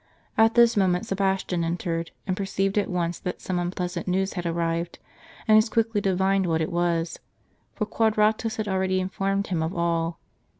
At this moment Sebas tian entered, and perceived at once that some unpleasant news had arrived, and as quickly divined what it was ; for Quadratus had already informed him of all.